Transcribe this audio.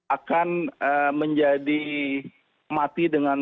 akan menjadi mati dengan